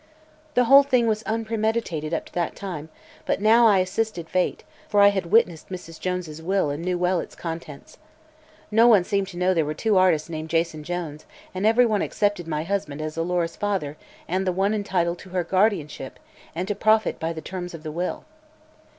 "The whole thing was unpremeditated up to that time, but now I assisted fate, for I had witnessed Mrs. Jones' will and knew well its contents. No one seemed to know there were two artists named Jason Jones and everyone accepted my husband as Alora's father and the one entitled to her guardianship and to profit by the terms of the will.